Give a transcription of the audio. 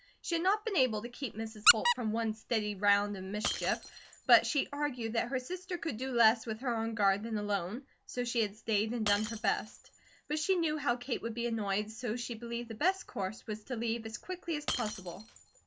She had not been able to keep Mrs. Holt from one steady round of mischief; but she argued that her sister could do less, with her on guard, than alone, so she had stayed and done her best; but she knew how Kate would be annoyed, so she believed the best course was to leave as quickly as possible.